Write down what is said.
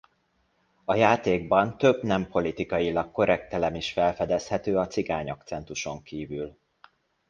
A játékban több nem politikailag korrekt elem is felfedezhető a cigány akcentuson kívül.